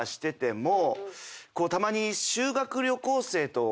たまに。